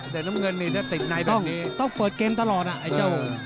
แต่น้ำเงินนี่จะติดในแบบนี้